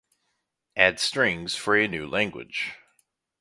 add strings for a new language